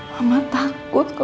kamu harus kuat diri kamu